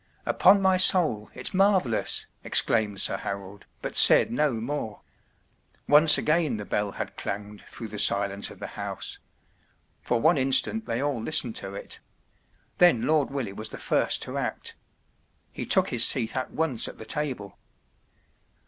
” “ Upon my soul, it’s marvellous ! ” ex¬ claimed. Sir Harold, but said no more. Once again the bell had clanged through the silence of the house. For one instant they all listened to it. Then Lord Willie was the first to act. He took his seat at once at the table.